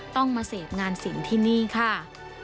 ต้องมาเสพงานศิลป์ที่นี่ค่ะ